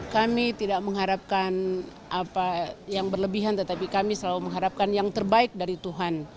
kami tidak mengharapkan apa yang berlebihan tetapi kami selalu mengharapkan yang terbaik dari tuhan